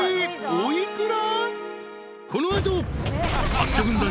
［お幾ら？］